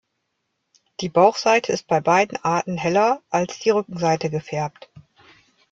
Die Bauchseite ist bei beiden Arten heller als die Rückenseite gefärbt.